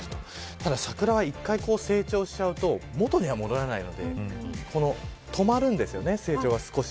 ただ桜は一回成長しちゃうと元には戻らないので止まるんですよね、成長が少し。